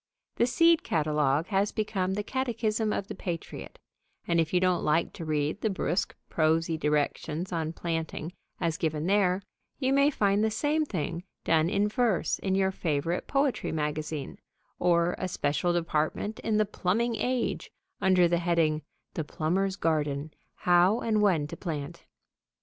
The seed catalogue has become the catechism of the patriot, and, if you don't like to read the brusk, prosy directions on planting as given there, you may find the same thing done in verse in your favorite poetry magazine, or a special department in The Plumbing Age under the heading "The Plumber's Garden: How and When to Plant."